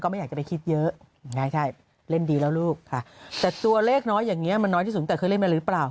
ก็เราจะไปคิดเยอะไงใช่เล่นดีแล้วลูกค่ะแต่ตัวเลขน้อยอย่างเนี้ยมันร้อยดูต่อไหนหรือเปล่า